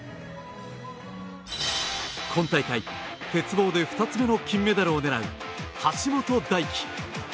今大会、鉄棒で２つ目の金メダルを狙う橋本大輝。